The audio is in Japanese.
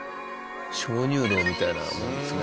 鍾乳洞みたいなもんですね。